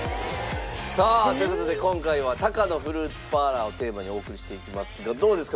さあという事で今回はタカノフルーツパーラーをテーマにお送りしていきますがどうですか？